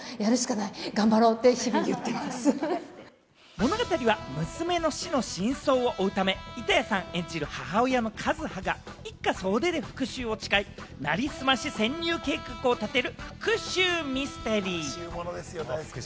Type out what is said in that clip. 物語は娘の死の真相を追うため、板谷さん演じる母親の一葉が、一家総出で復讐を誓い、なりすまし潜入計画を立てる復讐ミステリー。